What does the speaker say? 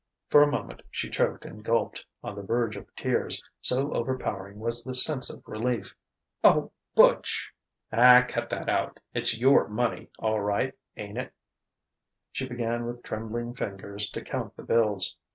For a moment she choked and gulped, on the verge of tears, so overpowering was the sense of relief. "O Butch !" "Ah, cut that out. It's your money, all right ain't it?" She began with trembling fingers to count the bills.